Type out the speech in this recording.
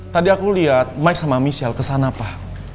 tadi aku lihat mike sama michelle kesana pak